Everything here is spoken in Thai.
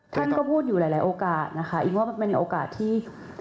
ท่านก็พูดอยู่หลายโอกาสนะคะอิงว่ามันเป็นโอกาสที่